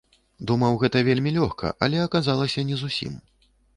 Думаў, гэта вельмі лёгка, але аказалася не зусім.